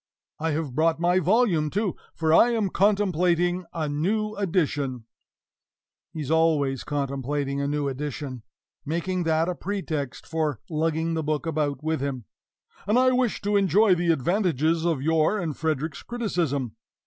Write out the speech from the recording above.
I have brought my volume, too, for I am contemplating a new edition" (he is always contemplating a new edition, making that a pretext for lugging the book about with him), "and I wish to enjoy the advantages of your and Frederick's criticism.